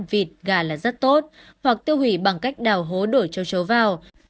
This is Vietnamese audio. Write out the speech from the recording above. vịt gà là rất tốt hoặc tiêu hủy bằng cách đào hố đổi châu chấu vào